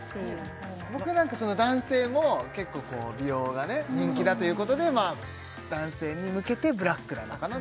僕何かその男性も結構こう美容がね人気だということでまあ男性に向けてブラックなのかな